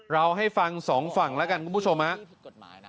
เราให้ฟังสองฝั่งแล้วกันคุณผู้ชมฮะ